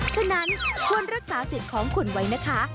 ฉะนั้นควรรักษาสิทธิ์ของคุณไว้นะคะ